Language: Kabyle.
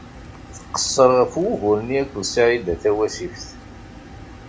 Tqeṣṣer ɣef wugur-nni akked Saɛida Tawasift.